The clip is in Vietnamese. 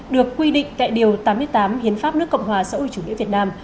được quy định tại điều tám mươi tám hiến pháp nước cộng hòa sở hữu chủ nghĩa việt nam